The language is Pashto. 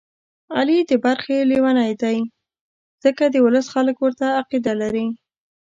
علي د برخې لېونی دی، ځکه د ولس خلک ورته عقیده لري.